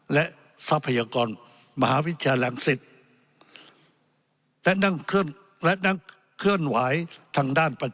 และทรัพยากรมหาวิทยาแหล่งศิษฐ์และนั่งเคลื่อนไหวทางด้านปฏิบัติ